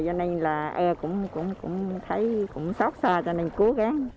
cho nên là cũng thấy sốc xa cho nên cố gắng